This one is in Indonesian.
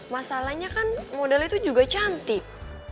masalahnya kan model itu juga cantik